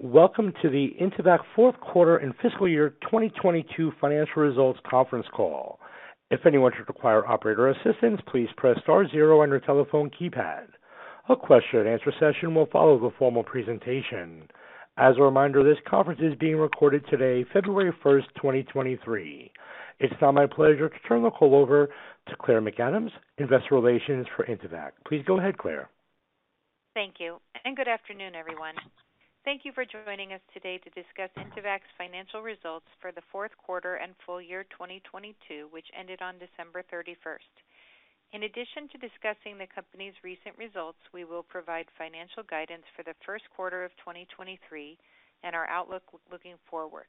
Welcome to the Intevac Fourth Quarter and Fiscal Year 2022 Financial Results Conference Call. If anyone should require operator assistance, please press star zero on your telephone keypad. A question and answer session will follow the formal presentation. As a reminder, this conference is being recorded today, February 1st, 2023. It's now my pleasure to turn the call over to Claire McAdams, investor relations for Intevac. Please go ahead, Claire. Thank you and good afternoon, everyone. Thank you for joining us today to discuss Intevac's financial results for the fourth quarter and full year 2022, which ended on December 31st. In addition to discussing the company's recent results, we will provide financial guidance for the first quarter of 2023 and our outlook looking forward.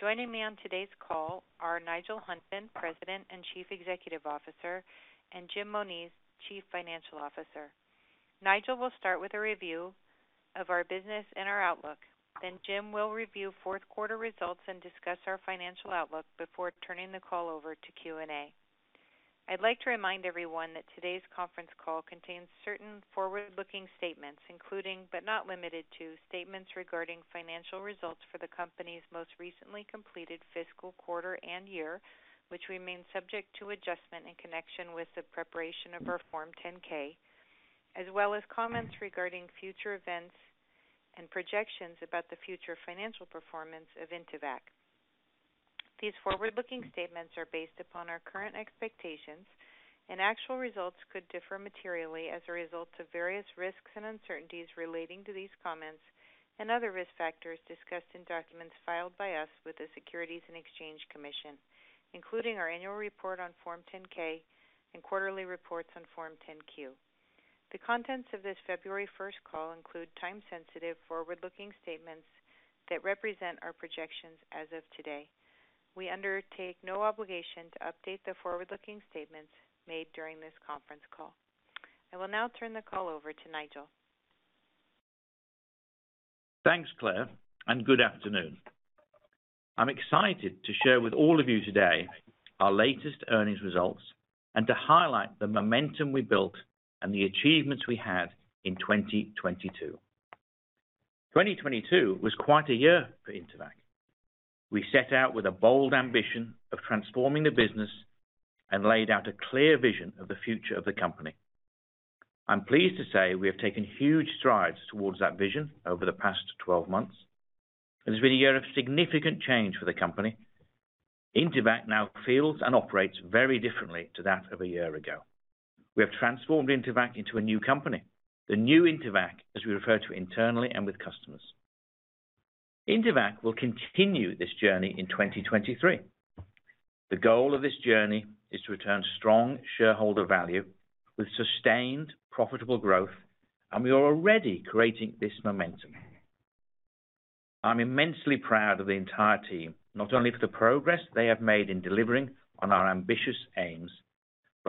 Joining me on today's call are Nigel Hunton, President and Chief Executive Officer, and Jim Moniz, Chief Financial Officer. Nigel will start with a review of our business and our outlook. Jim will review fourth quarter results and discuss our financial outlook before turning the call over to Q&A. I'd like to remind everyone that today's conference call contains certain forward-looking statements, including but not limited to, statements regarding financial results for the company's most recently completed fiscal quarter and year, which remain subject to adjustment in connection with the preparation of our Form 10-K, as well as comments regarding future events and projections about the future financial performance of Intevac. Actual results could differ materially as a result of various risks and uncertainties relating to these comments and other risk factors discussed in documents filed by us with the Securities and Exchange Commission, including our annual report on Form 10-K and quarterly reports on Form 10-Q. The contents of this February 1st call include time-sensitive forward-looking statements that represent our projections as of today. We undertake no obligation to update the forward-looking statements made during this conference call. I will now turn the call over to Nigel. Thanks, Claire, good afternoon. I'm excited to share with all of you today our latest earnings results and to highlight the momentum we built and the achievements we had in 2022. 2022 was quite a year for Intevac. We set out with a bold ambition of transforming the business and laid out a clear vision of the future of the company. I'm pleased to say we have taken huge strides towards that vision over the past 12 months. It has been a year of significant change for the company. Intevac now feels and operates very differently to that of a year ago. We have transformed Intevac into a new company, the new Intevac, as we refer to internally and with customers. Intevac will continue this journey in 2023. The goal of this journey is to return strong shareholder value with sustained, profitable growth, and we are already creating this momentum. I'm immensely proud of the entire team, not only for the progress they have made in delivering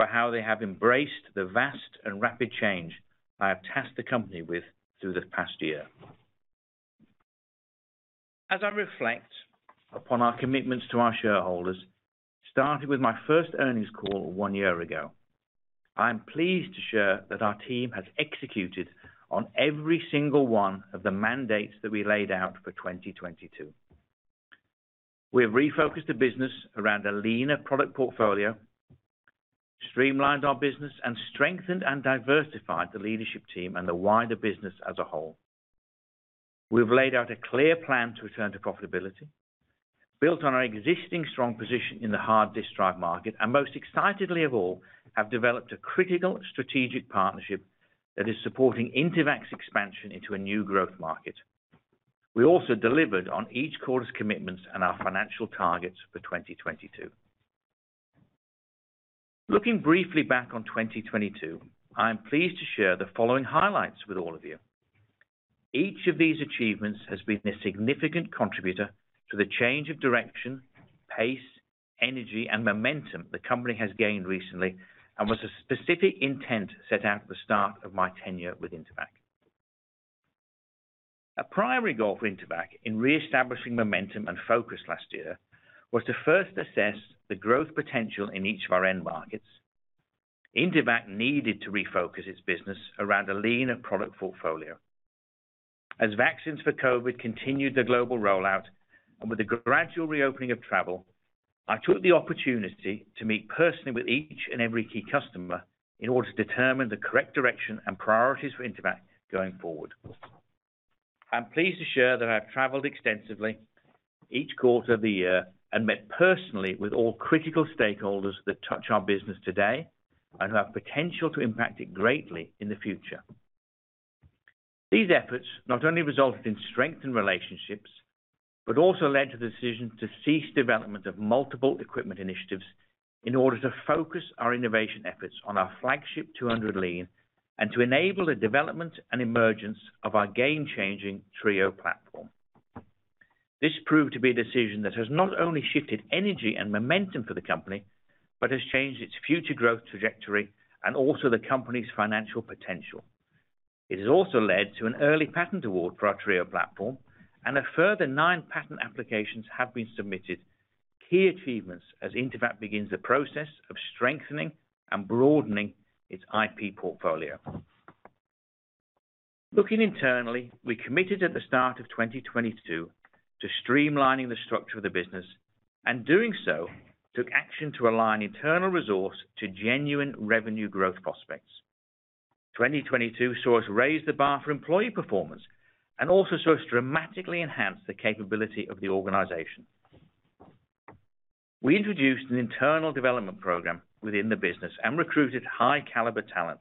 on our ambitious aims, but how they have embraced the vast and rapid change I have tasked the company with through this past year. As I reflect upon our commitments to our shareholders, starting with my first earnings call one year ago, I am pleased to share that our team has executed on every single one of the mandates that we laid out for 2022. We have refocused the business around a leaner product portfolio, streamlined our business, and strengthened and diversified the leadership team and the wider business as a whole. We've laid out a clear plan to return to profitability, built on our existing strong position in the hard disk drive market, and most excitedly of all, have developed a critical strategic partnership that is supporting Intevac's expansion into a new growth market. We also delivered on each quarter's commitments and our financial targets for 2022. Looking briefly back on 2022, I am pleased to share the following highlights with all of you. Each of these achievements has been a significant contributor to the change of direction, pace, energy, and momentum the company has gained recently and was a specific intent set out at the start of my tenure with Intevac. A primary goal for Intevac in reestablishing momentum and focus last year was to first assess the growth potential in each of our end markets. Intevac needed to refocus its business around a leaner product portfolio. As vaccines for COVID continued their global rollout and with the gradual reopening of travel, I took the opportunity to meet personally with each and every key customer in order to determine the correct direction and priorities for Intevac going forward. I'm pleased to share that I've traveled extensively each quarter of the year and met personally with all critical stakeholders that touch our business today and who have potential to impact it greatly in the future. These efforts not only resulted in strengthened relationships, but also led to the decision to cease development of multiple equipment initiatives in order to focus our innovation efforts on our flagship 200 Lean and to enable the development and emergence of our game-changing TRIO platform. This proved to be a decision that has not only shifted energy and momentum for the company, but has changed its future growth trajectory and also the company's financial potential. It has also led to an early patent award for our TRIO platform, and a further nine patent applications have been submitted. Key achievements as Intevac begins the process of strengthening and broadening its IP portfolio. Looking internally, we committed at the start of 2022 to streamlining the structure of the business, and doing so, took action to align internal resource to genuine revenue growth prospects. 2022 saw us raise the bar for employee performance and also saw us dramatically enhance the capability of the organization. We introduced an internal development program within the business and recruited high caliber talent.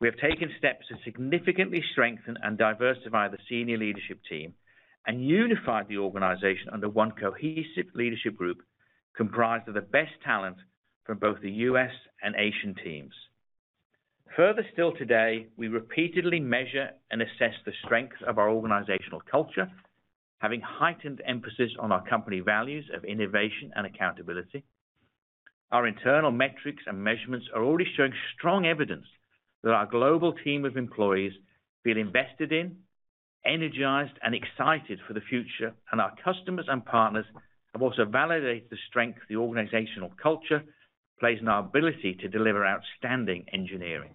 We have taken steps to significantly strengthen and diversify the senior leadership team and unified the organization under one cohesive leadership group comprised of the best talent from both the U.S. and Asian teams. Further still today, we repeatedly measure and assess the strength of our organizational culture, having heightened emphasis on our company values of innovation and accountability. Our internal metrics and measurements are already showing strong evidence that our global team of employees feel invested in, energized, and excited for the future, and our customers and partners have also validated the strength of the organizational culture plays in our ability to deliver outstanding engineering.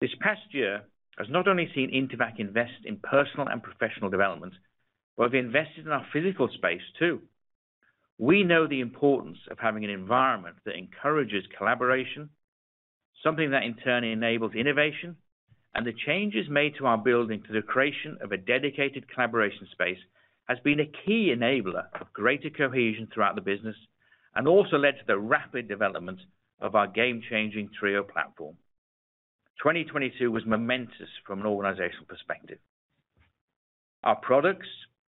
This past year has not only seen Intevac invest in personal and professional development, but we've invested in our physical space too. We know the importance of having an environment that encourages collaboration, something that in turn enables innovation. The changes made to our building through the creation of a dedicated collaboration space has been a key enabler of greater cohesion throughout the business and also led to the rapid development of our game-changing TRIO platform. 2022 was momentous from an organizational perspective. Our products,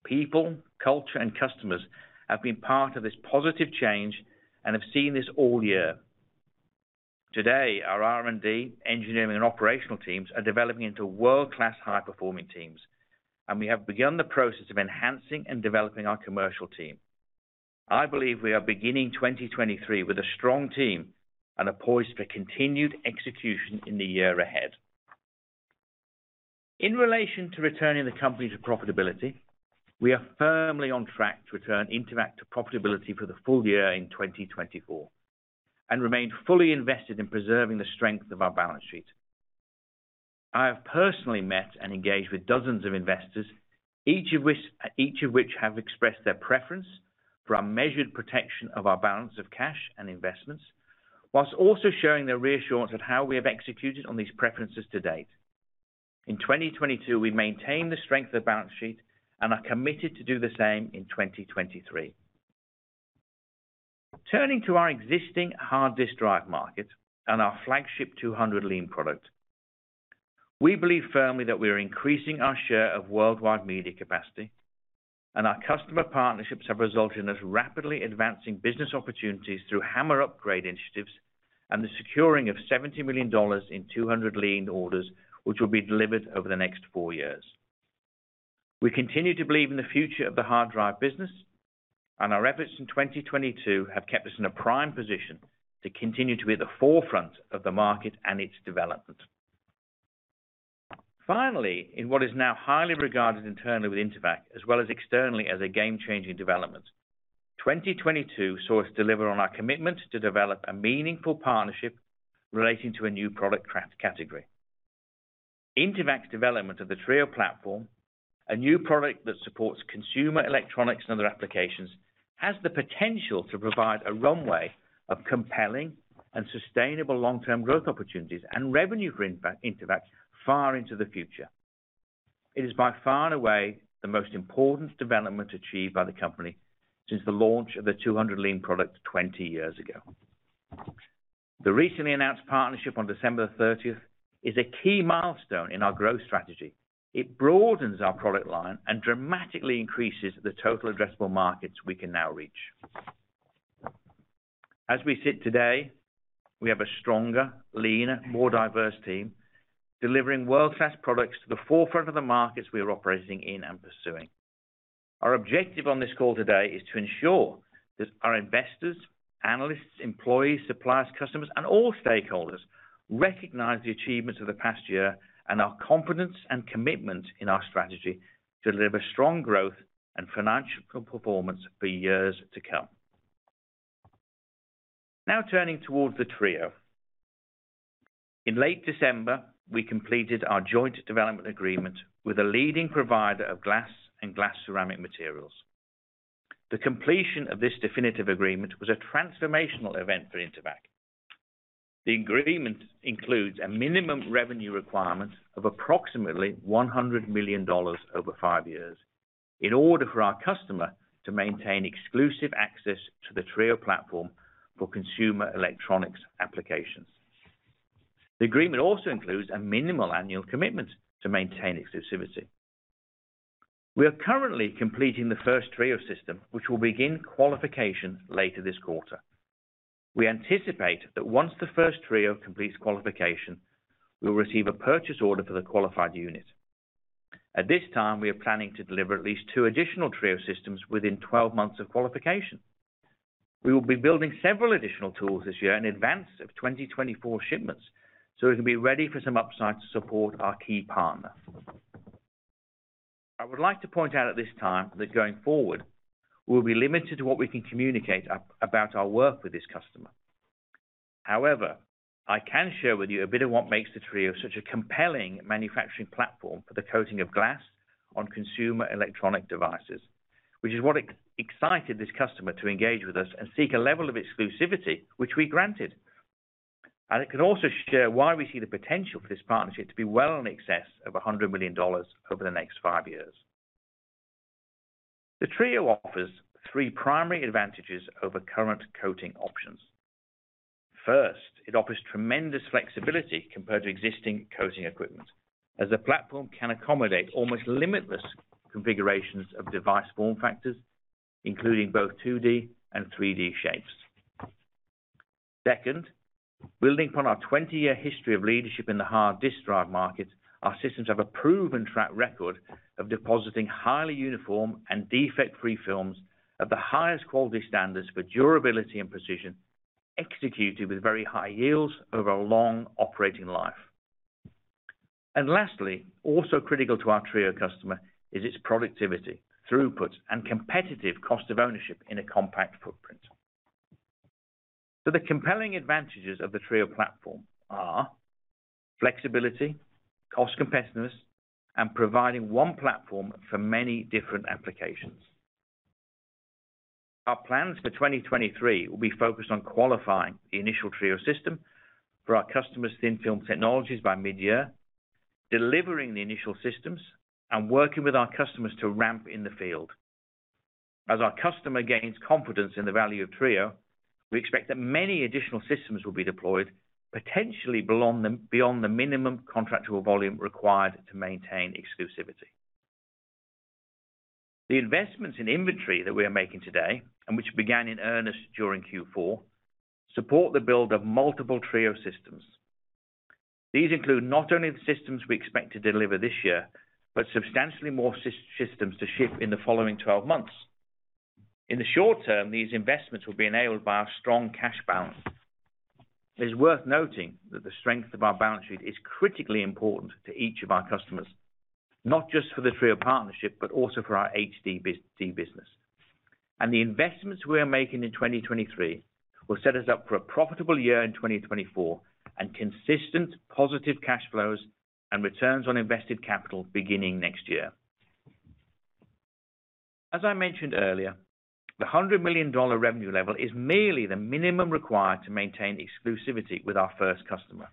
people, culture, and customers have been part of this positive change and have seen this all year. Today, our R&D, engineering, and operational teams are developing into world-class high-performing teams. We have begun the process of enhancing and developing our commercial team. I believe we are beginning 2023 with a strong team and are poised for continued execution in the year ahead. In relation to returning the company to profitability, we are firmly on track to return Intevac to profitability for the full year in 2024, and remain fully invested in preserving the strength of our balance sheet. I have personally met and engaged with dozens of investors, each of which have expressed their preference for our measured protection of our balance of cash and investments, whilst also showing their reassurance at how we have executed on these preferences to date. In 2022, we maintained the strength of the balance sheet and are committed to do the same in 2023. Turning to our existing hard disk drive market and our flagship 200 Lean product. We believe firmly that we are increasing our share of worldwide media capacity, and our customer partnerships have resulted in us rapidly advancing business opportunities through HAMR upgrade initiatives and the securing of $70 million in 200 Lean orders, which will be delivered over the next four years. We continue to believe in the future of the hard drive business, and our efforts in 2022 have kept us in a prime position to continue to be at the forefront of the market and its development. Finally, in what is now highly regarded internally with Intevac, as well as externally as a game-changing development, 2022 saw us deliver on our commitment to develop a meaningful partnership relating to a new product craft category. Intevac's development of the TRIO platform, a new product that supports consumer electronics and other applications, has the potential to provide a runway of compelling and sustainable long-term growth opportunities and revenue for Intevac far into the future. It is by far and away the most important development achieved by the company since the launch of the 200 Lean product 20 years ago. The recently announced partnership on December 30th is a key milestone in our growth strategy. It broadens our product line and dramatically increases the total addressable markets we can now reach. As we sit today, we have a stronger, leaner, more diverse team delivering world-class products to the forefront of the markets we are operating in and pursuing. Our objective on this call today is to ensure that our investors, analysts, employees, suppliers, customers, and all stakeholders recognize the achievements of the past year and our confidence and commitment in our strategy to deliver strong growth and financial performance for years to come. Turning towards the TRIO. In late December, we completed our joint development agreement with a leading provider of glass and glass ceramic materials. The completion of this definitive agreement was a transformational event for Intevac. The agreement includes a minimum revenue requirement of approximately $100 million over five years in order for our customer to maintain exclusive access to the TRIO platform for consumer electronics applications. The agreement also includes a minimal annual commitment to maintain exclusivity. We are currently completing the first TRIO system, which will begin qualification later this quarter. We anticipate that once the first TRIO completes qualification, we'll receive a purchase order for the qualified unit. At this time, we are planning to deliver at least two additional TRIO systems within 12 months of qualification. We will be building several additional tools this year in advance of 2024 shipments, so we can be ready for some upside to support our key partner. I would like to point out at this time that going forward, we'll be limited to what we can communicate about our work with this customer. However, I can share with you a bit of what makes the TRIO such a compelling manufacturing platform for the coating of glass on consumer electronic devices, which is what excited this customer to engage with us and seek a level of exclusivity, which we granted. I can also share why we see the potential for this partnership to be well in excess of $100 million over the next five years. The TRIO offers three primary advantages over current coating options. First, it offers tremendous flexibility compared to existing coating equipment, as the platform can accommodate almost limitless configurations of device form factors, including both 2D and 3D shapes. Second, building upon our 20-year history of leadership in the hard disk drive market, our systems have a proven track record of depositing highly uniform and defect-free films at the highest quality standards for durability and precision, executed with very high yields over a long operating life. Lastly, also critical to our TRIO customer is its productivity, throughput, and competitive cost of ownership in a compact footprint. The compelling advantages of the TRIO platform are flexibility, cost competitiveness, and providing one platform for many different applications. Our plans for 2023 will be focused on qualifying the initial TRIO system for our customer's thin-film technologies by mid-year, delivering the initial systems and working with our customers to ramp in the field. As our customer gains confidence in the value of TRIO, we expect that many additional systems will be deployed, potentially beyond the minimum contractual volume required to maintain exclusivity. The investments in inventory that we are making today, and which began in earnest during Q4, support the build of multiple TRIO systems. These include not only the systems we expect to deliver this year, but substantially more systems to ship in the following 12 months. In the short term, these investments will be enabled by our strong cash balance. It is worth noting that the strength of our balance sheet is critically important to each of our customers, not just for the TRIO partnership, but also for our HDD business. The investments we are making in 2023 will set us up for a profitable year in 2024 and consistent positive cash flows and returns on invested capital beginning next year. As I mentioned earlier, the $100 million revenue level is merely the minimum required to maintain exclusivity with our first customer.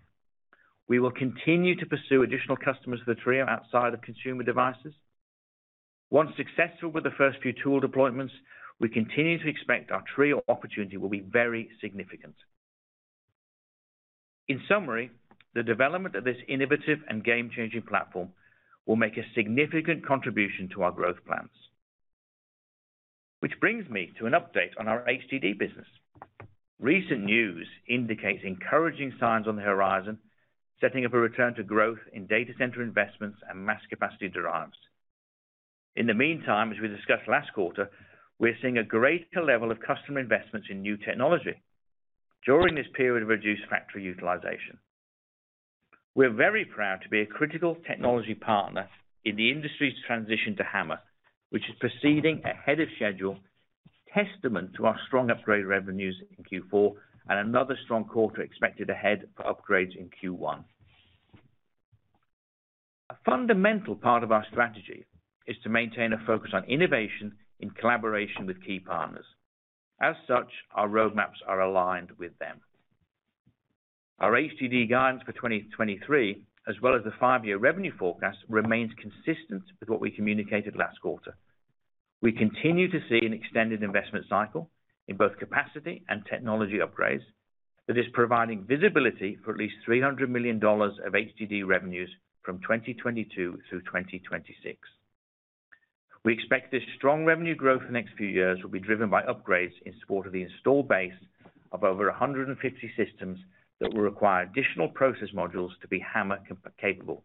We will continue to pursue additional customers for TRIO outside of consumer devices. Once successful with the first few tool deployments, we continue to expect our TRIO opportunity will be very significant. In summary, the development of this innovative and game-changing platform will make a significant contribution to our growth plans. Which brings me to an update on our HDD business. Recent news indicates encouraging signs on the horizon, setting up a return to growth in data center investments and mass capacity drives. In the meantime, as we discussed last quarter, we're seeing a greater level of customer investments in new technology during this period of reduced factory utilization. We're very proud to be a critical technology partner in the industry's transition to HAMR, which is proceeding ahead of schedule, testament to our strong upgrade revenues in Q4 and another strong quarter expected ahead for upgrades in Q1. A fundamental part of our strategy is to maintain a focus on innovation in collaboration with key partners. As such, our roadmaps are aligned with them. Our HDD guidance for 2023, as well as the five-year revenue forecast, remains consistent with what we communicated last quarter. We continue to see an extended investment cycle in both capacity and technology upgrades that is providing visibility for at least $300 million of HDD revenues from 2022 through 2026. We expect this strong revenue growth the next few years will be driven by upgrades in support of the install base of over 150 systems that will require additional process modules to be HAMR-capable,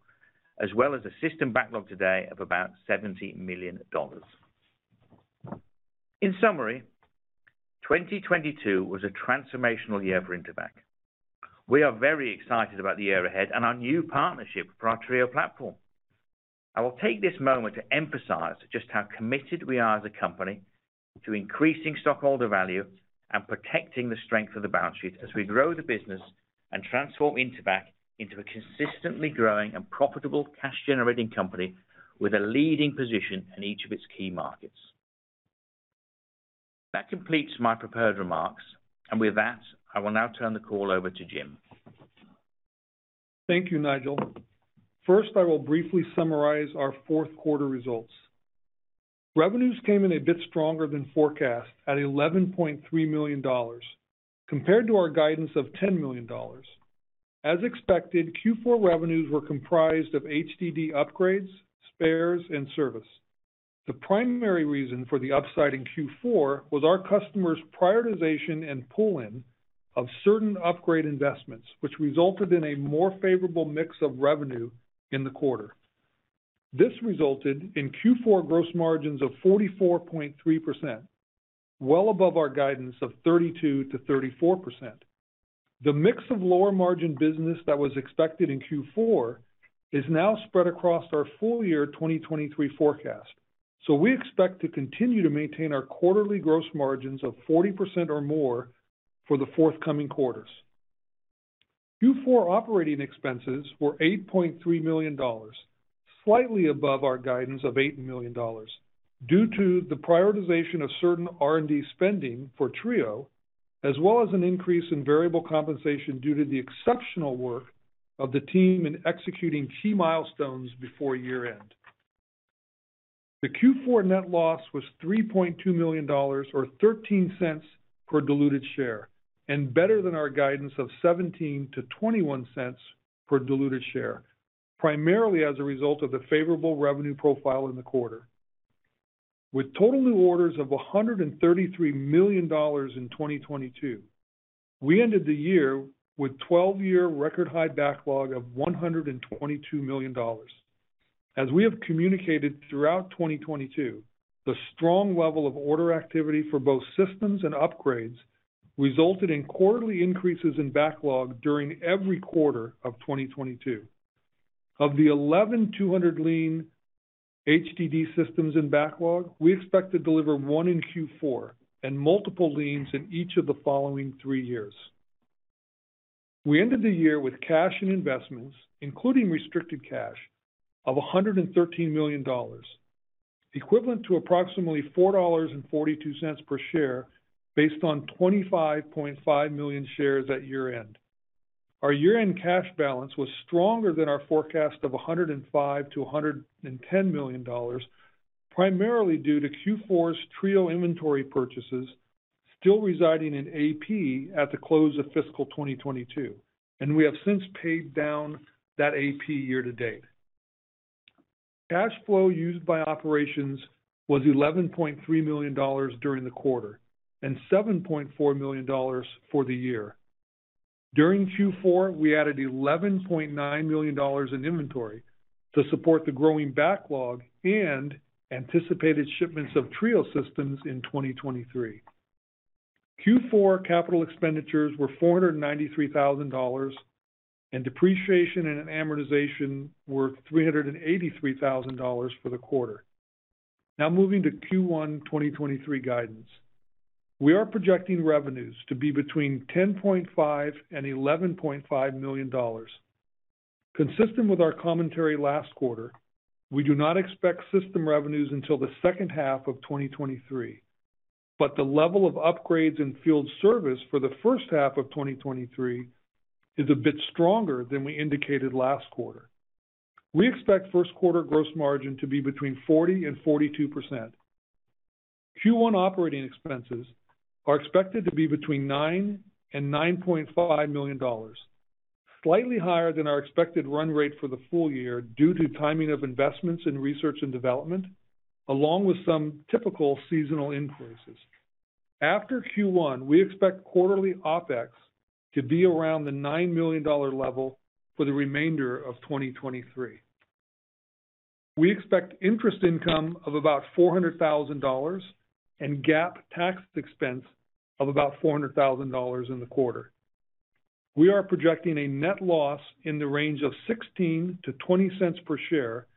as well as a system backlog today of about $70 million. In summary, 2022 was a transformational year for Intevac. We are very excited about the year ahead and our new partnership for our TRIO platform. I will take this moment to emphasize just how committed we are as a company to increasing stockholder value and protecting the strength of the balance sheet as we grow the business and transform Intevac into a consistently growing and profitable cash-generating company with a leading position in each of its key markets. That completes my prepared remarks, and with that, I will now turn the call over to Jim. Thank you, Nigel. First, I will briefly summarize our fourth quarter results. Revenues came in a bit stronger than forecast at $11.3 million compared to our guidance of $10 million. As expected, Q4 revenues were comprised of HDD upgrades, spares, and service. The primary reason for the upside in Q4 was our customers' prioritization and pull-in of certain upgrade investments, which resulted in a more favorable mix of revenue in the quarter. This resulted in Q4 gross margins of 44.3%, well above our guidance of 32%-34%. The mix of lower margin business that was expected in Q4 is now spread across our full year 2023 forecast. We expect to continue to maintain our quarterly gross margins of 40% or more for the forthcoming quarters. Q4 Operating expenses were $8.3 million, slightly above our guidance of $8 million due to the prioritization of certain R&D spending for TRIO, as well as an increase in variable compensation due to the exceptional work of the team in executing key milestones before year-end. Q4 net loss was $3.2 million or $0.13 per diluted share, and better than our guidance of $0.17-$0.21 per diluted share, primarily as a result of the favorable revenue profile in the quarter. With total new orders of $133 million in 2022, we ended the year with 12-year record high backlog of $122 million. As we have communicated throughout 2022, the strong level of order activity for both systems and upgrades resulted in quarterly increases in backlog during every quarter of 2022. Of the 1,100 Lean HDD systems in backlog, we expect to deliver one in Q4 and multiple Leans in each of the following three years. We ended the year with cash and investments, including restricted cash of $113 million, equivalent to approximately $4.42 per share based on 25.5 million shares at year-end. Our year-end cash balance was stronger than our forecast of $105 million-$110 million, primarily due to Q4's TRIO inventory purchases still residing in AP at the close of fiscal 2022, and we have since paid down that AP year to date. Cash flow used by operations was $11.3 million during the quarter, and $7.4 million for the year. During Q4, we added $11.9 million in inventory to support the growing backlog and anticipated shipments of TRIO systems in 2023. Q4 capital expenditures were $493,000, and depreciation and amortization were $383,000 for the quarter. Moving to Q1 2023 guidance. We are projecting revenues to be between $10.5 million and $11.5 million. Consistent with our commentary last quarter, we do not expect system revenues until the second half of 2023, but the level of upgrades in field service for the first half of 2023 is a bit stronger than we indicated last quarter. We expect first quarter gross margin to be between 40% and 42%. Q1 operating expenses are expected to be between $9 million and $9.5 million, slightly higher than our expected run rate for the full year due to timing of investments in research and development, along with some typical seasonal increases. After Q1, we expect quarterly OpEx to be around the $9 million level for the remainder of 2023. We expect interest income of about $400,000 and GAAP tax expense of about $400,000 in the quarter. We are projecting a net loss in the range of $0.16-$0.20 per share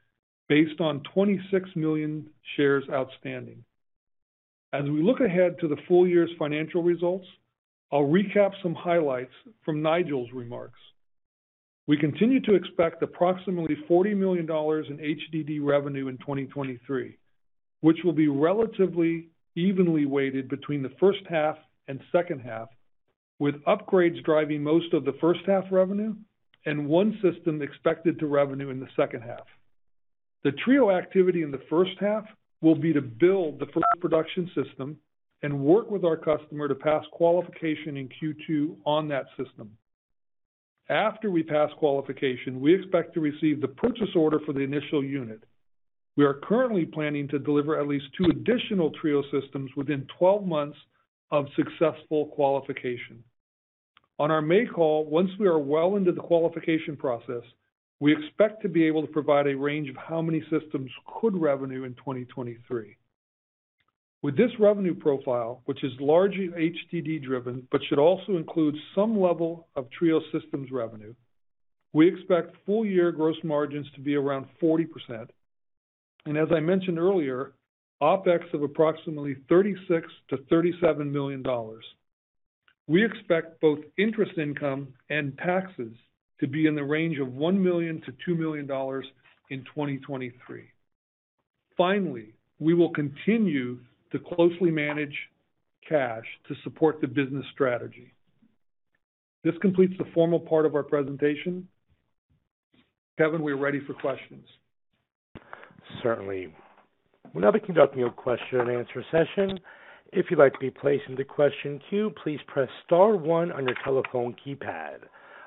based on 26 million shares outstanding. As we look ahead to the full year's financial results, I'll recap some highlights from Nigel's remarks. We continue to expect approximately $40 million in HDD revenue in 2023, which will be relatively evenly weighted between the first half and second half, with upgrades driving most of the first half revenue and one system expected to revenue in the second half. The TRIO activity in the first half will be to build the first production system and work with our customer to pass qualification in Q2 on that system. After we pass qualification, we expect to receive the purchase order for the initial unit. We are currently planning to deliver at least two additional TRIO systems within 12 months of successful qualification. On our May call, once we are well into the qualification process, we expect to be able to provide a range of how many systems could revenue in 2023. With this revenue profile, which is largely HDD driven but should also include some level of TRIO systems revenue, we expect full year gross margins to be around 40% and as I mentioned earlier, OpEx of approximately $36 million-$37 million. We expect both interest income and taxes to be in the range of $1 million-$2 million in 2023. Finally, we will continue to closely manage cash to support the business strategy. This concludes the formal parts of our presentation. Kevin, we're ready for questions. Certainly. We'll now be conducting a question and answer session. If you'd like to be placed in the question queue, please press star one on your telephone keypad.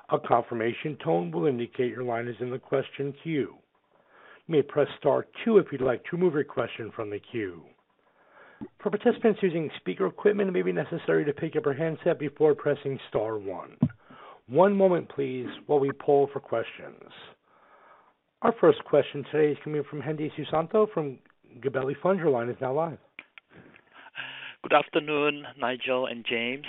A confirmation tone will indicate your line is in the question queue. You may press star two if you'd like to remove your question from the queue. For participants using speaker equipment, it may be necessary to pick up your handset before pressing star one. One moment please while we poll for questions. Our first question today is coming from Hendi Susanto from Gabelli Funds. Your line is now live. Good afternoon, Nigel and Jim.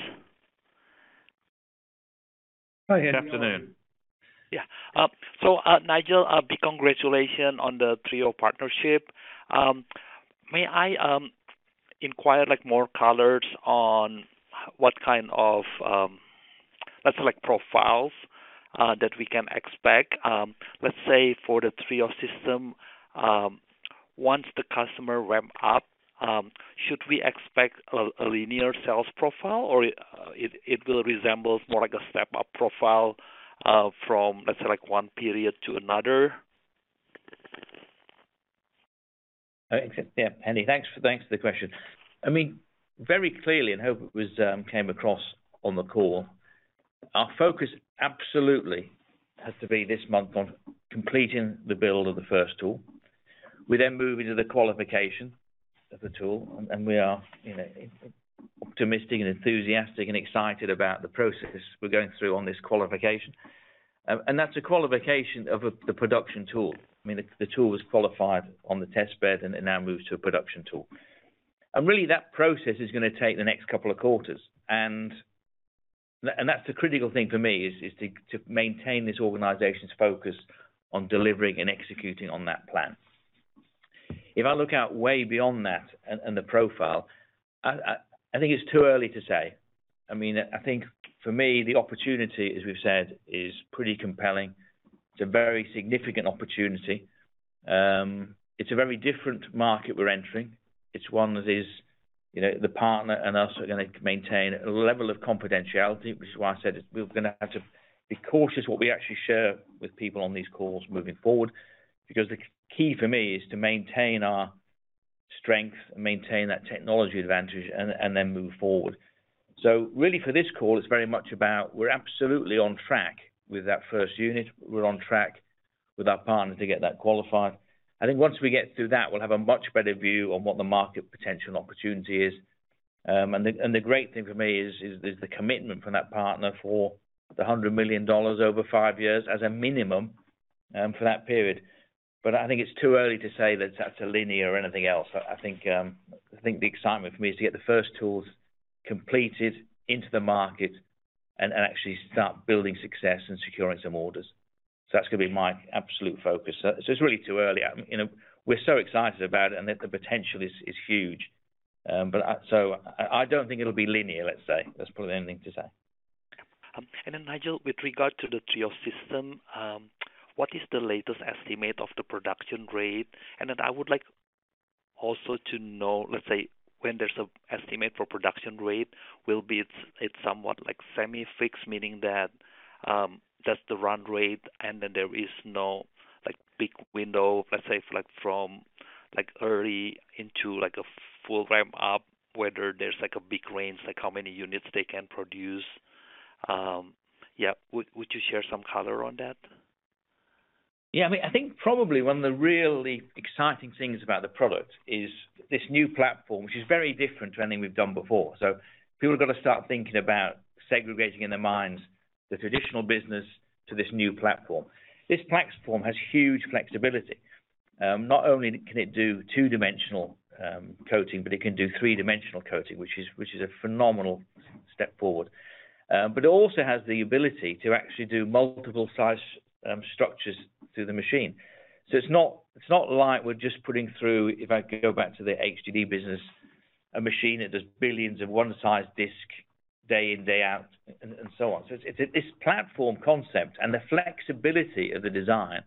Hi, Hendi. Afternoon. Yeah. Nigel, a big congratulations on the TRIO partnership. May I inquire like more colors on what kind of, let's say like profiles, that we can expect, let's say for the TRIO system, once the customer ramp up, should we expect a linear sales profile or it will resemble more like a step-up profile, from, let's say like one period to another? Hendi, thanks for the question. I mean, very clearly, and hope it came across on the call, our focus absolutely has to be this month on completing the build of the first tool. We move into the qualification of the tool, we are, you know, optimistic and enthusiastic and excited about the process we're going through on this qualification. That's a qualification of the production tool. I mean, the tool was qualified on the test bed, and it now moves to a production tool. Really, that process is gonna take the next couple of quarters. That's the critical thing for me is to maintain this organization's focus on delivering and executing on that plan. If I look out way beyond that and the profile, I think it's too early to say. I mean, I think for me, the opportunity, as we've said, is pretty compelling. It's a very significant opportunity. It's a very different market we're entering. It's one that is, you know, the partner and us are gonna maintain a level of confidentiality, which is why I said we're gonna have to be cautious what we actually share with people on these calls moving forward because the key for me is to maintain our strength and maintain that technology advantage and then move forward. Really for this call, it's very much about we're absolutely on track with that first unit. We're on track with our partner to get that qualified. I think once we get through that, we'll have a much better view on what the market potential and opportunity is. And the great thing for me is there's the commitment from that partner for the $100 million over five years as a minimum for that period. I think it's too early to say that that's a linear or anything else. I think, I think the excitement for me is to get the first tools completed into the market and actually start building success and securing some orders. That's gonna be my absolute focus. It's really too early. You know, we're so excited about it, and the potential is huge. I don't think it'll be linear, let's say. That's probably the only thing to say. Nigel, with regard to the TRIO system, what is the latest estimate of the production rate? I would like also to know, let's say when there's an estimate for production rate will be it's somewhat like semi-fixed, meaning that's the run rate, and then there is no like big window, let's say, if like from like early into like a full ramp up, whether there's like a big range, like how many units they can produce? Would you share some color on that? I mean, I think probably one of the really exciting things about the product is this new platform, which is very different to anything we've done before. People have got to start thinking about segregating in their minds the traditional business to this new platform. This platform has huge flexibility. Not only can it do two-dimensional coating, but it can do three-dimensional coating, which is a phenomenal step forward. But it also has the ability to actually do multiple size structures through the machine. It's not like we're just putting through, if I go back to the HDD business, a machine that does billions of one size disk day in, day out, and so on. It's this platform concept and the flexibility of the design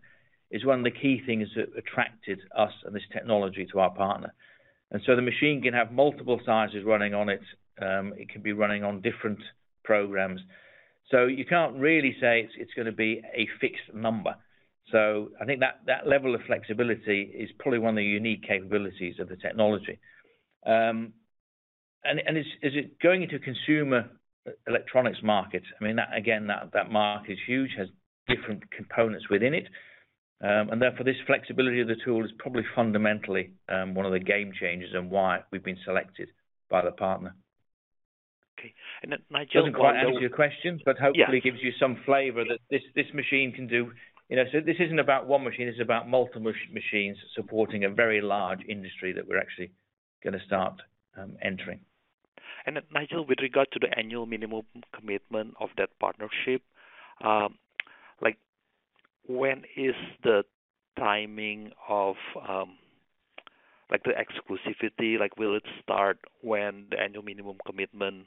is one of the key things that attracted us and this technology to our partner. The machine can have multiple sizes running on it. It can be running on different programs. You can't really say it's gonna be a fixed number. I think that level of flexibility is probably one of the unique capabilities of the technology. Is it going into consumer electronics market? I mean, that, again, that market is huge, has different components within it. Therefore, this flexibility of the tool is probably fundamentally one of the game changers and why we've been selected by the partner. Okay. Doesn't quite answer your question, but hopefully gives you some flavor that this machine can do. You know, this isn't about one machine, this is about multiple machines supporting a very large industry that we're actually gonna start entering. Nigel, with regard to the annual minimum commitment of that partnership, like, when is the timing of, like the exclusivity? Like, will it start when the annual minimum commitment,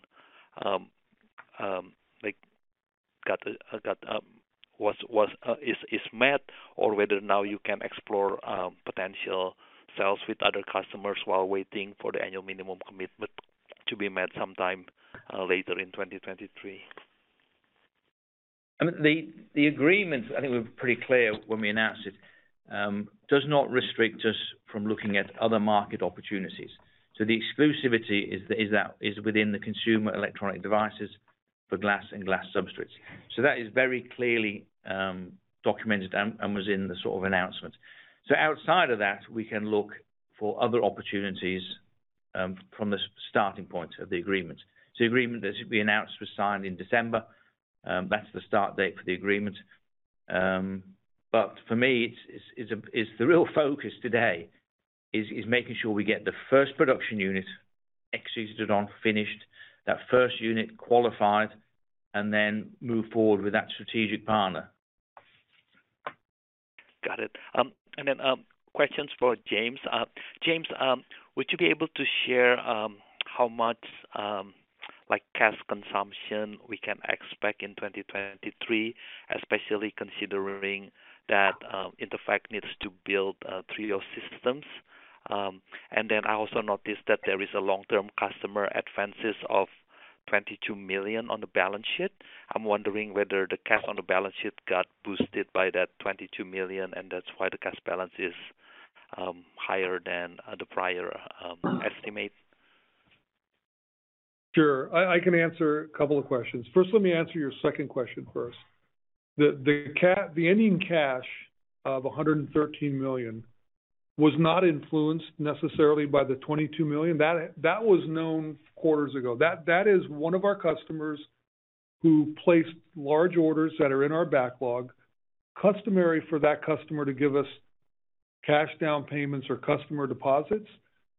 like is met or whether now you can explore, potential sales with other customers while waiting for the annual minimum commitment to be met sometime, later in 2023? The agreement, I think we're pretty clear when we announced it, does not restrict us from looking at other market opportunities. The exclusivity is within the consumer electronic devices for glass and glass substrates. That is very clearly documented and was in the sort of announcement. Outside of that, we can look for other opportunities from the starting point of the agreement. The agreement that should be announced was signed in December, that's the start date for the agreement. For me, it's the real focus today is making sure we get the first production unit executed on, finished. That first unit qualified and then move forward with that strategic partner. Got it. Questions for jim. Jim, would you be able to share how much like cash consumption we can expect in 2023, especially considering that Intevac needs to build TRIO systems? I also noticed that there is a long-term customer advances of $22 million on the balance sheet. I'm wondering whether the cash on the balance sheet got boosted by that $22 million, and that's why the cash balance is higher than the prior estimate? Sure. I can answer a couple of questions. First, let me answer your second question first. The ending cash of $113 million was not influenced necessarily by the $22 million. That was known quarters ago. That is one of our customers who placed large orders that are in our backlog. Customary for that customer to give us cash down payments or customer deposits.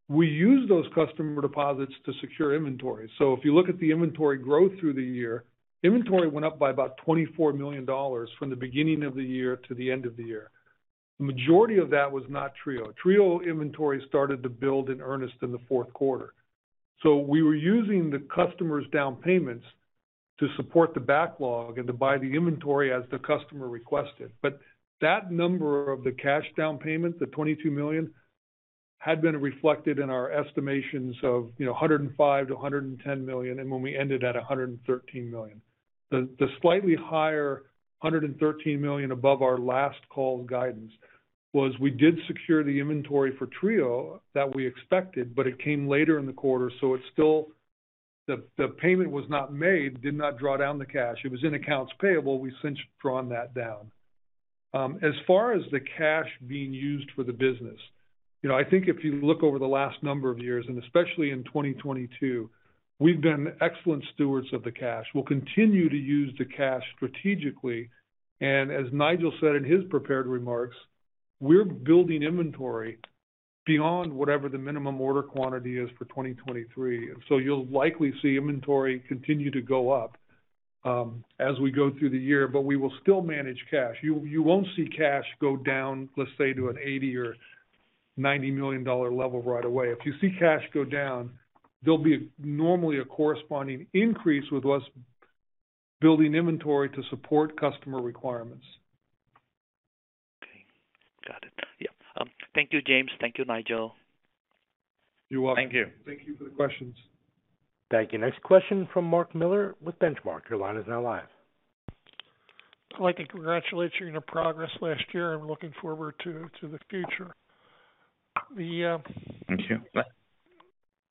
We use those customer deposits to secure inventory. If you look at the inventory growth through the year, inventory went up by about $24 million from the beginning of the year to the end of the year. The majority of that was not TRIO. TRIO inventory started to build in earnest in the fourth quarter. We were using the customer's down payments to support the backlog and to buy the inventory as the customer requested. That number of the cash down payment, the $22 million, had been reflected in our estimations of $105 million-$110 million, and when we ended at $113 million. The slightly higher $113 million above our last call's guidance was we did secure the inventory for TRIO that we expected, but it came later in the quarter, so the payment was not made, did not draw down the cash. It was in accounts payable. We've since drawn that down. As far as the cash being used for the business, you know, I think if you look over the last number of years, and especially in 2022, we've been excellent stewards of the cash. We'll continue to use the cash strategically. As Nigel said in his prepared remarks, we're building inventory beyond whatever the minimum order quantity is for 2023. So you'll likely see inventory continue to go up, as we go through the year, but we will still manage cash. You won't see cash go down, let's say, to an $80 million or $90 million level right away. If you see cash go down, there'll be normally a corresponding increase with less building inventory to support customer requirements. Okay. Got it. Yeah. Thank you, Jim. Thank you, Nigel. You're welcome. Thank you. Thank you for the questions. Thank you. Next question from Mark Miller with Benchmark. Your line is now live. I'd like to congratulate you on your progress last year. I'm looking forward to the future. Thank you.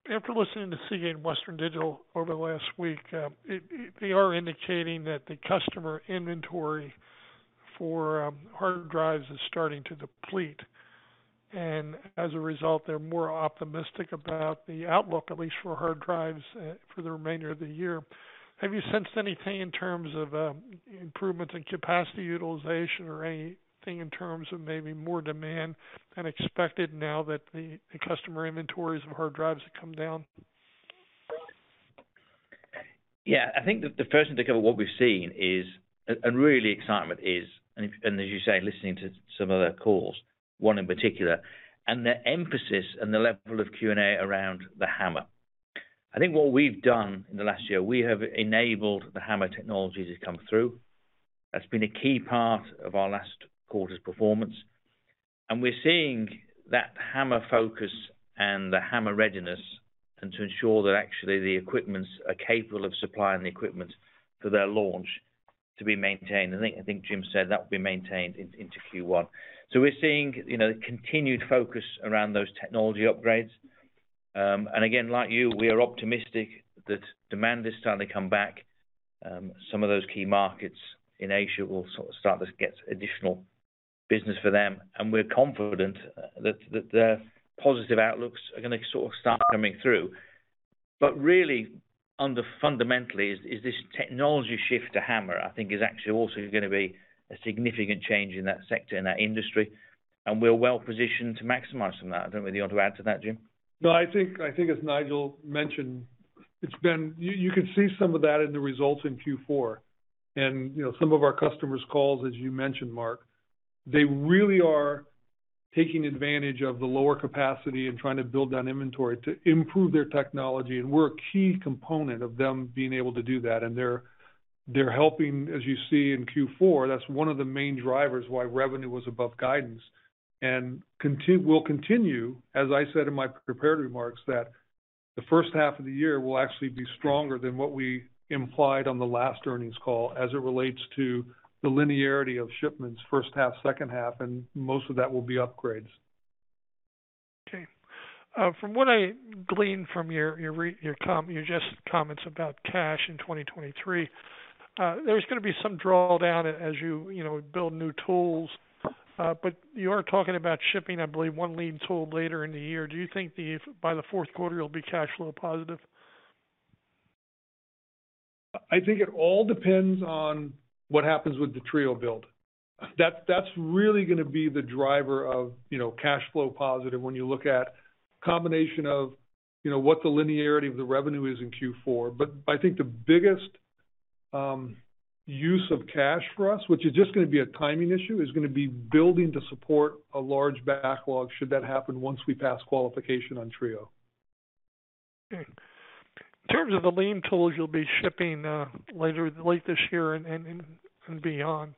After listening to Seagate and Western Digital over the last week, they are indicating that the customer inventory for hard drives is starting to deplete. As a result, they're more optimistic about the outlook, at least for hard drives, for the remainder of the year. Have you sensed anything in terms of improvements in capacity utilization or anything in terms of maybe more demand than expected now that the customer inventories of hard drives have come down? Yeah. I think the first thing to cover what we've seen is, and really excitement is, and as you say, listening to some other calls, one in particular, and the emphasis and the level of Q&A around the HAMR. I think what we've done in the last year, we have enabled the HAMR technology to come through. That's been a key part of our last quarter's performance. We're seeing that HAMR focus and the HAMR readiness, and to ensure that actually the equipments are capable of supplying the equipment for their launch to be maintained. I think Jim said that will be maintained into Q1. We're seeing, you know, the continued focus around those technology upgrades. Again, like you, we are optimistic that demand is starting to come back. Some of those key markets in Asia will sort of start to get additional business for them. We're confident that their positive outlooks are gonna sort of start coming through. Really under fundamentally is this technology shift to HAMR, I think is actually also gonna be a significant change in that sector, in that industry, and we're well positioned to maximize from that. I don't know whether you want to add to that, Jim? No, I think as Nigel mentioned, it's been. You could see some of that in the results in Q4. You know, some of our customers' calls, as you mentioned, Mark, they really are taking advantage of the lower capacity and trying to build down inventory to improve their technology, and we're a key component of them being able to do that. They're helping, as you see in Q4, that's one of the main drivers why revenue was above guidance. We'll continue, as I said in my prepared remarks, that the first half of the year will actually be stronger than what we implied on the last earnings call as it relates to the linearity of shipments first half, second half, and most of that will be upgrades. Okay. From what I gleaned from your just comments about cash in 2023, there's gonna be some drawdown as you know, build new tools. You are talking about shipping, I believe, one Lean tool later in the year. Do you think by the fourth quarter you'll be cash flow positive? I think it all depends on what happens with the TRIO build. That's really gonna be the driver of, you know, cash flow positive when you look at combination of, you know, what the linearity of the revenue is in Q4. I think the biggest use of cash for us, which is just gonna be a timing issue, is gonna be building to support a large backlog should that happen once we pass qualification on TRIO. Okay. In terms of the Lean tools you'll be shipping, later, late this year and beyond,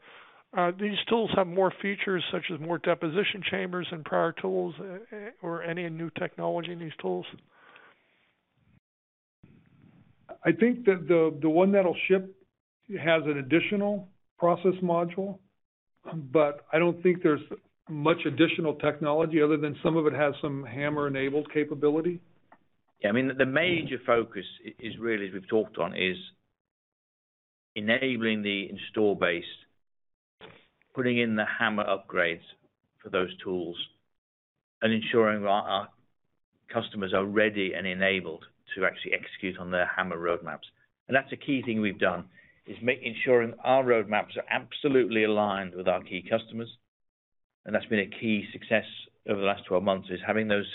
these tools have more features such as more deposition chambers than prior tools, or any new technology in these tools? I think that the one that'll ship has an additional process module, but I don't think there's much additional technology other than some of it has some HAMR-enabled capability. Yeah. I mean, the major focus is really, as we've talked on, is enabling the install base, putting in the HAMR upgrades for those tools, and ensuring our customers are ready and enabled to actually execute on their HAMR roadmaps. That's a key thing we've done, is ensuring our roadmaps are absolutely aligned with our key customers, and that's been a key success over the last 12 months, is having those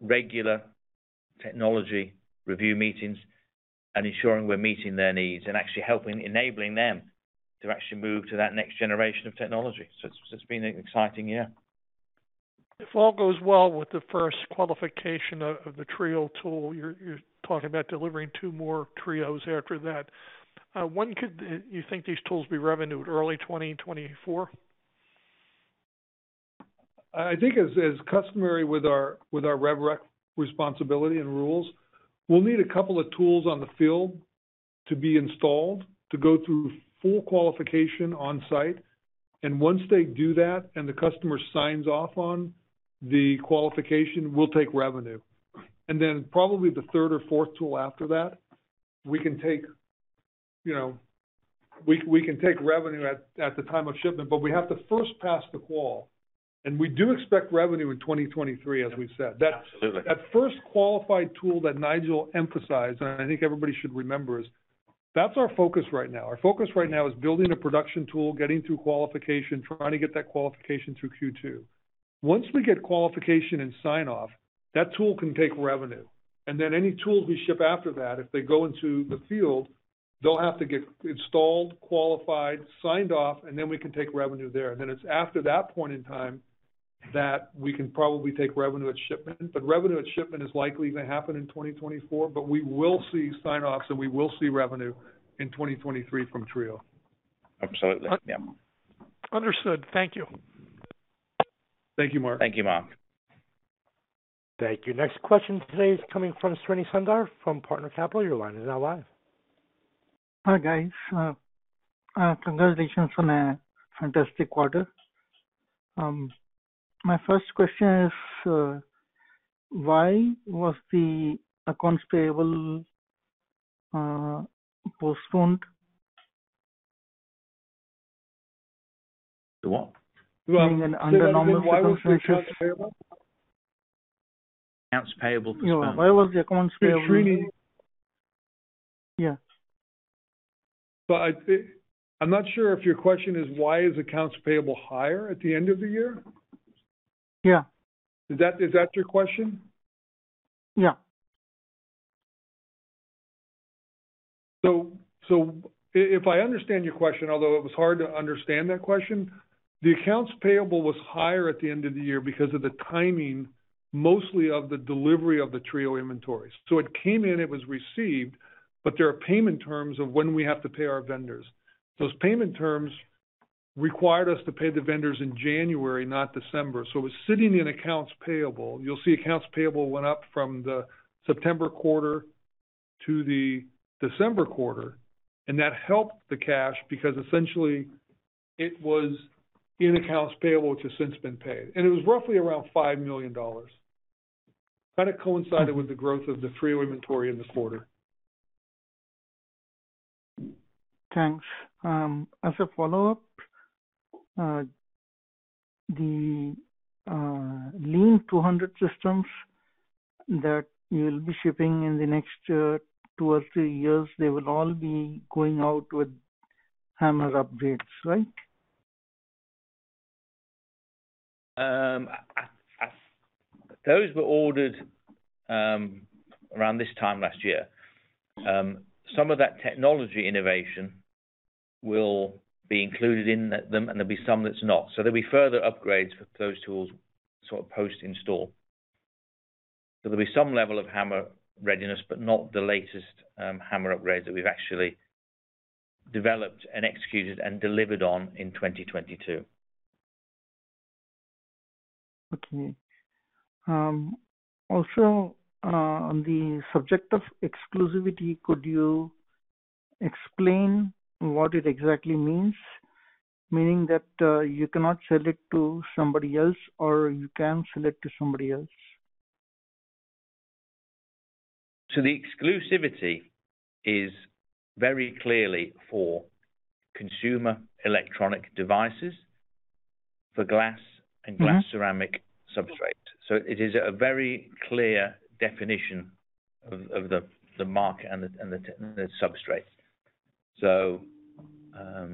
regular technology review meetings and ensuring we're meeting their needs and actually helping enabling them to actually move to that next generation of technology. It's been an exciting year. If all goes well with the first qualification of the TRIO tool, you're talking about delivering two more TRIOs after that. When could you think these tools be revenued, early 2024? I think as customary with our, with our rev rec responsibility and rules, we'll need a couple of tools on the field to be installed to go through full qualification on-site. Once they do that, and the customer signs off on the qualification, we'll take revenue. Then probably the third or fourth tool after that, we can take, you know, we can take revenue at the time of shipment, but we have to first pass the qual. We do expect revenue in 2023, as we've said. Absolutely. That first qualified tool that Nigel emphasized, and I think everybody should remember, is that's our focus right now. Our focus right now is building a production tool, getting through qualification, trying to get that qualification through Q2. Once we get qualification and sign-off, that tool can take revenue, and then any tools we ship after that, if they go into the field, they'll have to get installed, qualified, signed off, and then we can take revenue there. Then it's after that point in time that we can probably take revenue at shipment. Revenue at shipment is likely to happen in 2024, but we will see sign-offs, and we will see revenue in 2023 from TRIO. Absolutely. Yeah. Understood. Thank you. Thank you, Mark. Thank you, Mark. Thank you. Next question today is coming from Srini Sundararajan from Summit Insights Group. Your line is now live. Hi, guys. congratulations on a fantastic quarter. My first question is, why was the accounts payable postponed? The what? Being an under number for accounts payable. Why was the accounts payable. Yeah. I'm not sure if your question is why is accounts payable higher at the end of the year? Yeah. Is that your question? Yeah. if I understand your question, although it was hard to understand that question, the accounts payable was higher at the end of the year because of the timing, mostly of the delivery of the TRIO inventory. It came in, it was received, but there are payment terms of when we have to pay our vendors. Those payment terms required us to pay the vendors in January, not December. It was sitting in accounts payable. You'll see accounts payable went up from the September quarter to the December quarter, and that helped the cash because essentially it was in accounts payable, which has since been paid. It was roughly around $5 million. Kind of coincided with the growth of the TRIO inventory in the quarter. Thanks. As a follow-up, the 200 Lean systems that you'll be shipping in the next two or three years, they will all be going out with HAMR upgrades, right? Those were ordered around this time last year. Some of that technology innovation will be included in them, and there'll be some that's not. There'll be further upgrades for those tools sort of post-install. There'll be some level of HAMR readiness, but not the latest HAMR upgrades that we've actually developed and executed and delivered on in 2022. Also, on the subject of exclusivity, could you explain what it exactly means? Meaning that, you cannot sell it to somebody else, or you can sell it to somebody else? The exclusivity is very clearly for consumer electronic devices for glass and glass-ceramic substrates. It is a very clear definition of the market and the substrate. Okay.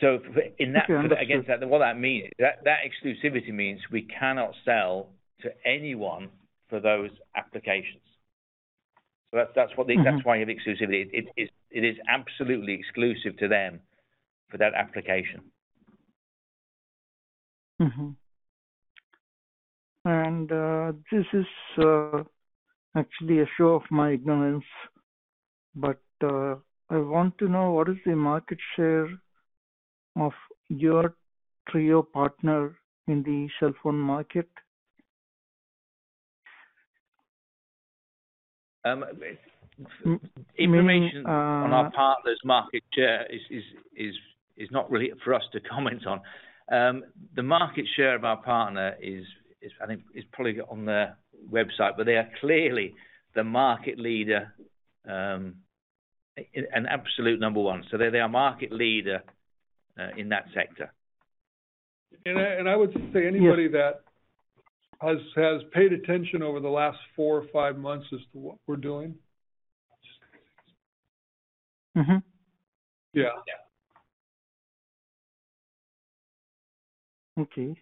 Against that, what that means, that exclusivity means we cannot sell to anyone for those applications. That's what the. Mm-hmm. That's why you have exclusivity. It is absolutely exclusive to them for that application. Mm-hmm. This is actually a show of my ignorance, but I want to know what is the market share of your TRIO partner in the cell phone market? information- May On our partner's market share is not really for us to comment on. The market share of our partner is I think is probably on their website, but they are clearly the market leader, an absolute number one. They're the market leader in that sector. I would just say. Yeah. That has paid attention over the last four or five months as to what we're doing. Mm-hmm. Yeah. Yeah. Okay.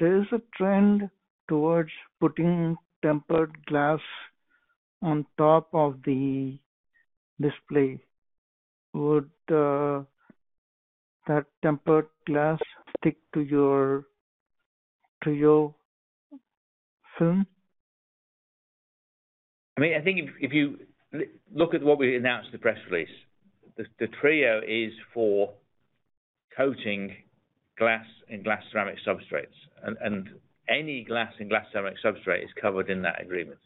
There is a trend towards putting tempered glass on top of the display. Would that tempered glass stick to your TRIO film? I mean, I think if you look at what we announced in the press release, the TRIO is for coating glass and glass-ceramic substrates. Any glass and glass-ceramic substrate is covered in that agreement.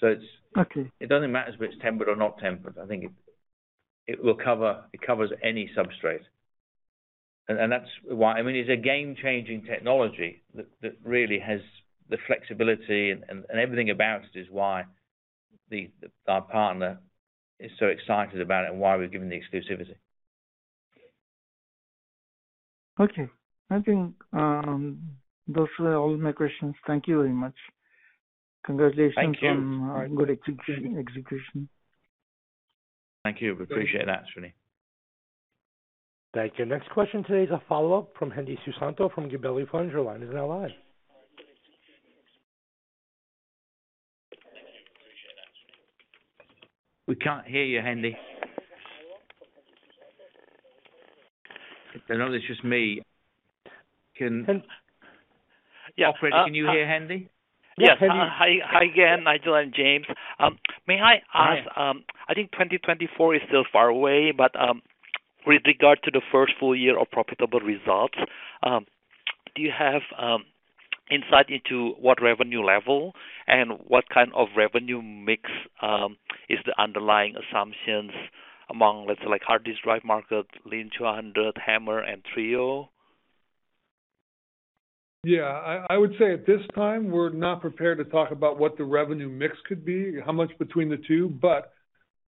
It's- Okay. It doesn't matter if it's tempered or not tempered. I think it covers any substrate. I mean, it's a game-changing technology that really has the flexibility and everything about it is why our partner is so excited about it and why we're given the exclusivity. I think, those were all my questions. Thank you very much. Congratulations. Thank you. On good execution. Thank you. We appreciate that, Srini. Thank you. Next question today is a follow-up from Hendi Susanto from Gabelli Funds. Your line is now live. We can't hear you, Hendi. I don't know if it's just me. Hen- Operator, can you hear Hendi? Hendi. Hi again, Nigel and Jim. May I ask, I think 2024 is still far away, but with regard to the first full year of profitable results, do you have insight into what revenue level and what kind of revenue mix is the underlying assumptions among, let's say, like hard disk drive market, 200 Lean, HAMR and TRIO? I would say at this time, we're not prepared to talk about what the revenue mix could be, how much between the two.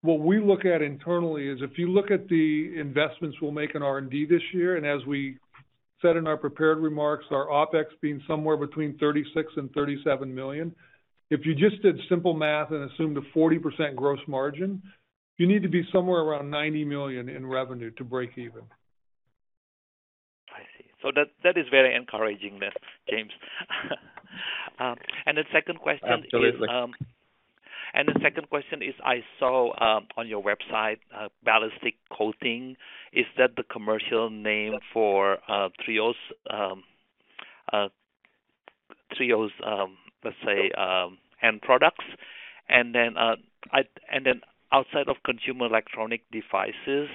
What we look at internally is if you look at the investments we'll make in R&D this year, and as we said in our prepared remarks, our OpEx being somewhere between $36 million and $37 million. If you just did simple math and assumed a 40% gross margin, you need to be somewhere around $90 million in revenue to break even. I see. That is very encouraging then, Jim. The second question is. Absolutely. The second question is, I saw on your website, Intevac Burst Coating. Is that the commercial name for TRIO's, let's say, end products? Then outside of consumer electronic devices,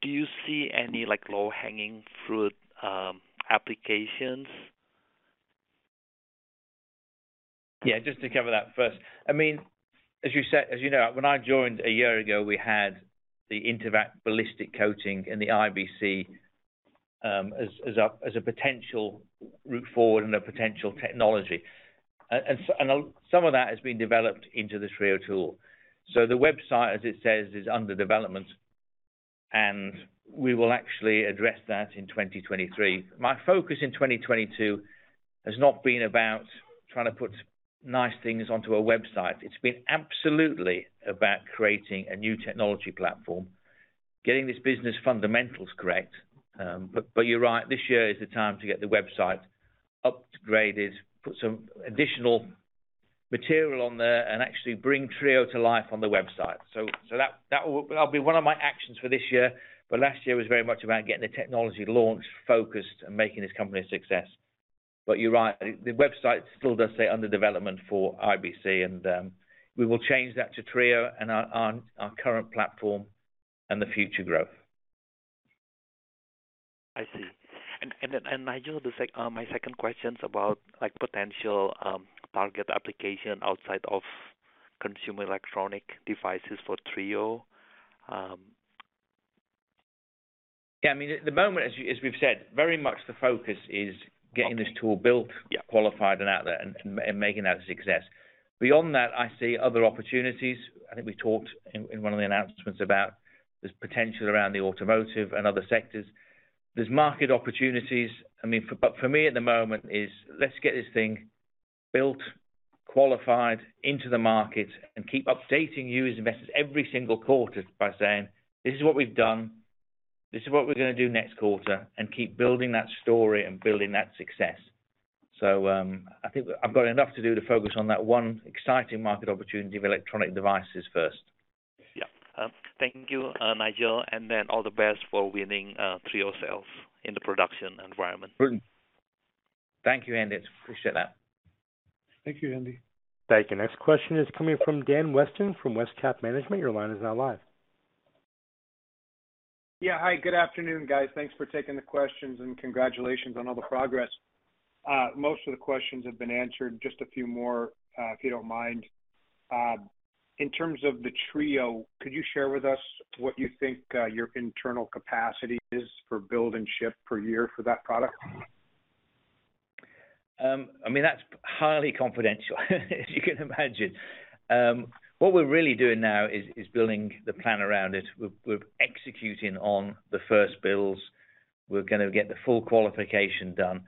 do you see any, like, low-hanging fruit applications? Yeah, just to cover that first. I mean, as you said, as you know, when I joined a year ago, we had the Intevac ballistic coating and the IBC, as a potential route forward and a potential technology. Some of that has been developed into the TRIO tool. The website, as it says, is under development, and we will actually address that in 2023. My focus in 2022 has not been about trying to put nice things onto a website. It's been absolutely about creating a new technology platform, getting this business fundamentals correct. But you're right, this year is the time to get the website upgraded, put some additional material on there, and actually bring TRIO to life on the website. That will be one of my actions for this year. Last year was very much about getting the technology launched, focused, and making this company a success. You're right. I think the website still does say under development for IBC, and we will change that to TRIO and our current platform and the future growth. I see. Nigel, my second question's about, like, potential, target application outside of consumer electronic devices for TRIO. I mean, at the moment, as we've said, very much the focus is getting this tool built. Qualified and out there and making that a success. Beyond that, I see other opportunities. I think we talked in one of the announcements about there's potential around the automotive and other sectors. There's market opportunities. I mean, but for me at the moment is let's get this thing built, qualified into the market, and keep updating you as investors every single quarter by saying, "This is what we've done. This is what we're gonna do next quarter," and keep building that story and building that success. I think I've got enough to do to focus on that one exciting market opportunity of electronic devices first. Yeah. Thank you, Nigel. All the best for winning TRIO sales in the production environment. Brilliant. Thank you, Andy. Appreciate that. Thank you, Andy. Thank you. Next question is coming from Dan Weston from Westcap Management. Your line is now live. Hi, good afternoon, guys. Thanks for taking the questions and congratulations on all the progress. Most of the questions have been answered. Just a few more, if you don't mind. In terms of the TRIO, could you share with us what you think, your internal capacity is for build and ship per year for that product? I mean, that's highly confidential as you can imagine. What we're really doing now is building the plan around it. We're executing on the first builds. We're gonna get the full qualification done.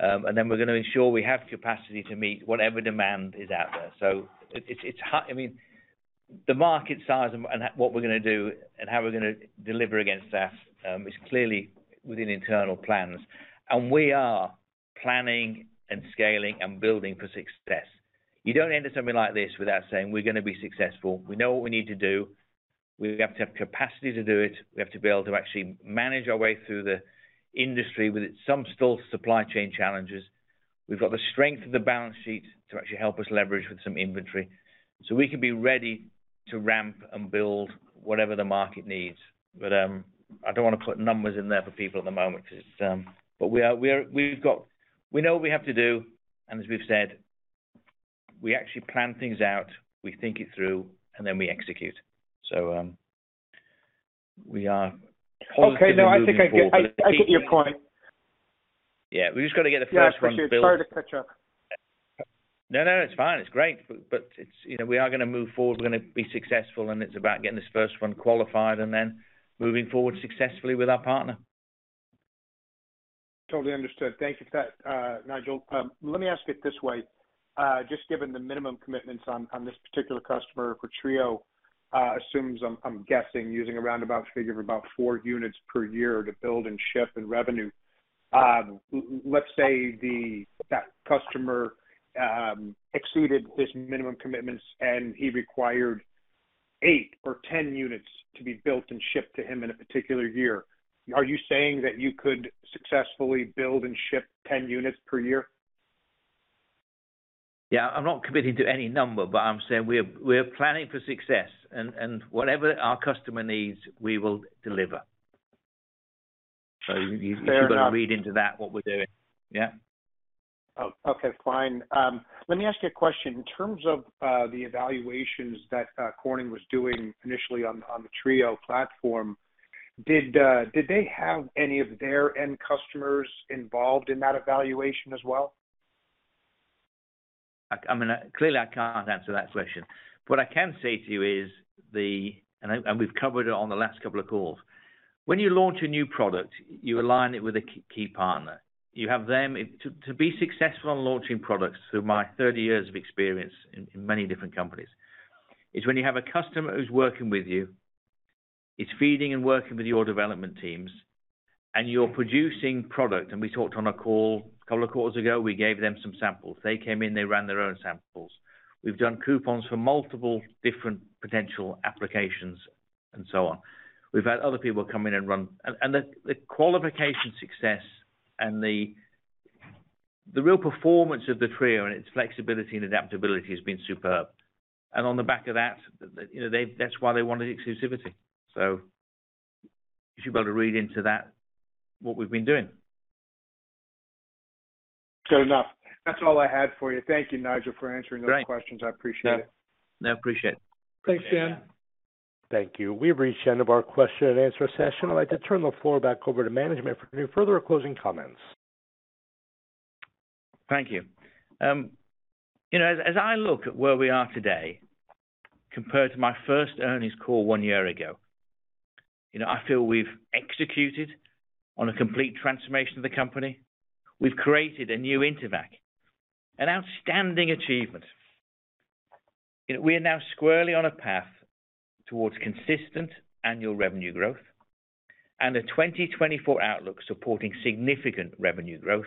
Then we're gonna ensure we have capacity to meet whatever demand is out there. It's the market size and what we're gonna do and how we're gonna deliver against that is clearly within internal plans. We are planning and scaling and building for success. You don't enter something like this without saying, "We're gonna be successful." We know what we need to do. We have to have capacity to do it. We have to be able to actually manage our way through the industry with its some still supply chain challenges. We've got the strength of the balance sheet to actually help us leverage with some inventory, so we can be ready to ramp and build whatever the market needs. I don't wanna put numbers in there for people at the moment 'cause it's. We know what we have to do, and as we've said, we actually plan things out, we think it through, and then we execute. We are positively moving forward. Okay. No, I think I get your point. Yeah. We've just got to get the first run built. Yeah, I appreciate it. Sorry to cut you off. No, no, it's fine. It's great. It's, you know, we are gonna move forward, we're gonna be successful, and it's about getting this first run qualified and then moving forward successfully with our partner. Totally understood. Thank you for that, Nigel. Let me ask it this way. Just given the minimum commitments on this particular customer for TRIO, assumes, I'm guessing, using a roundabout figure of about four units per year to build and ship in revenue. Let's say that customer exceeded this minimum commitments, and he required eight or 10 units to be built and shipped to him in a particular year. Are you saying that you could successfully build and ship 10 units per year? Yeah. I'm not committing to any number, but I'm saying we're planning for success and whatever our customer needs, we will deliver. Fair enough. If you gonna read into that, what we're doing. Yeah. Okay. Fine. Let me ask you a question. In terms of the evaluations that Corning was doing initially on the TRIO platform, did they have any of their end customers involved in that evaluation as well? I mean, clearly I can't answer that question. What I can say to you is the. We've covered it on the last couple of calls. When you launch a new product, you align it with a key partner. To be successful on launching products, through my 30 years of experience in many different companies, is when you have a customer who's working with you, is feeding and working with your development teams, and you're producing product. We talked on a call a couple of quarters ago, we gave them some samples. They came in, they ran their own samples. We've done coupons for multiple different potential applications and so on. We've had other people come in and run. The qualification success and the real performance of the TRIO and its flexibility and adaptability has been superb. On the back of that, you know, that's why they wanted exclusivity. you should be able to read into that what we've been doing. Fair enough. That's all I had for you. Thank you, Nigel, for answering those questions. Great. I appreciate it. No, I appreciate it. Thanks, Dan. Thank you. We've reached the end of our question and answer session. I'd like to turn the floor back over to management for any further closing comments. Thank you. You know, as I look at where we are today compared to my first earnings call one year ago, you know, I feel we've executed on a complete transformation of the company. We've created a new Intevac, an outstanding achievement. You know, we are now squarely on a path towards consistent annual revenue growth and a 2024 outlook supporting significant revenue growth,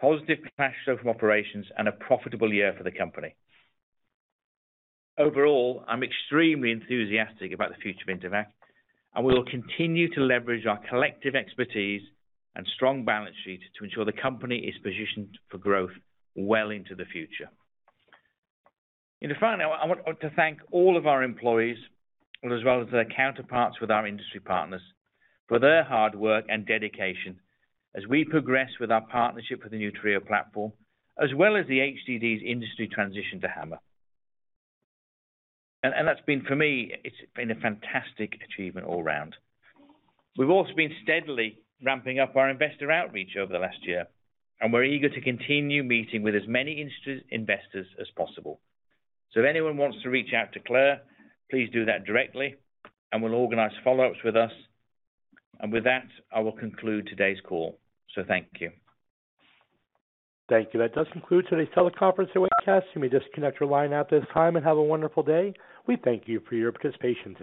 positive cash flow from operations, and a profitable year for the company. Overall, I'm extremely enthusiastic about the future of Intevac, and we will continue to leverage our collective expertise and strong balance sheet to ensure the company is positioned for growth well into the future. To find out, I want to thank all of our employees, as well as their counterparts with our industry partners, for their hard work and dedication as we progress with our partnership with the new TRIO platform, as well as the HDD's industry transition to HAMR. That's been, for me, it's been a fantastic achievement all around. We've also been steadily ramping up our investor outreach over the last year, and we're eager to continue meeting with as many industry investors as possible. If anyone wants to reach out to Claire, please do that directly, and we'll organize follow-ups with us. With that, I will conclude today's call. Thank you. Thank you. That does conclude today's teleconference and webcast. You may disconnect your line at this time and have a wonderful day. We thank you for your participation.